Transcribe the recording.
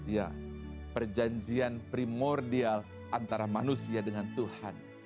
ya perjanjian primordial antara manusia dengan tuhan